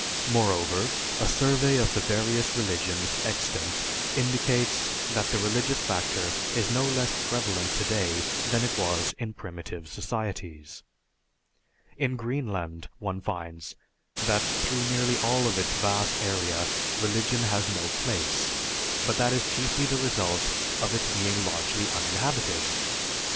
Moreover, a survey of the various religions extant indicates that the religious factor is no less prevalent today than it was in primitive societies. In Greenland, one finds, that through nearly all of its vast area religion has no place, but that is chiefly the result of its being largely uninhabited.